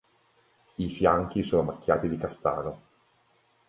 I fianchi sono macchiati di castano.